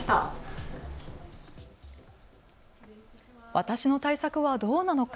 私の対策はどうなのか。